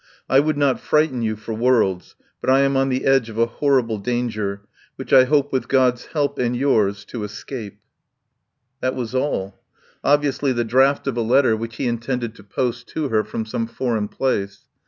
I would not frighten you for worlds, but I am on the edge of a horrible danger, which I hope with God's help and yours to escape ..." That was all — obviously the draft of a let 55 THE POWER HOUSE ter which he intended to post to her from some foreign place.